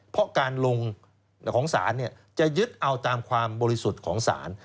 เพราะการลงของศาลจะยึดเอาตามความบริสุทธิ์ของศาล